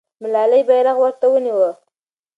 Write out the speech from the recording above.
ملالۍ بیرغ ورته نیوه.